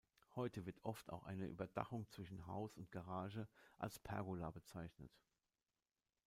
Heute wird oft auch eine Überdachung zwischen Haus und Garage als Pergola bezeichnet.